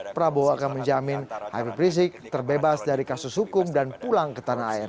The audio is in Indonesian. prabowo akan menjamin habib rizik terbebas dari kasus hukum dan pulang ke tanah air